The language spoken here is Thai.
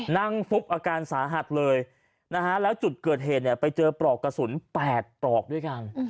นั่งปุ๊บอาการสาหัสเลยแล้วจุดเกิดเหตุไปเจอปลอกกระสุน๘ปลอกด้วยกัน